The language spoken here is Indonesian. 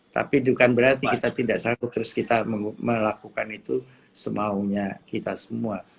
tapi bukan berarti kita tidak sanggup terus kita melakukan itu semaunya kita semua